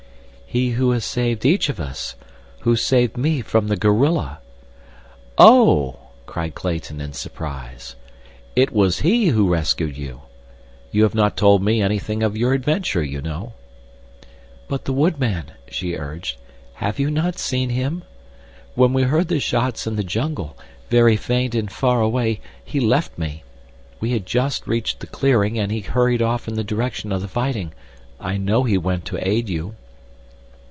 "He who has saved each of us—who saved me from the gorilla." "Oh," cried Clayton, in surprise. "It was he who rescued you? You have not told me anything of your adventure, you know." "But the wood man," she urged. "Have you not seen him? When we heard the shots in the jungle, very faint and far away, he left me. We had just reached the clearing, and he hurried off in the direction of the fighting. I know he went to aid you."